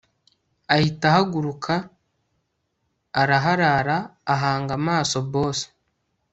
ahita ahaguruka araharara ahanga amaso boss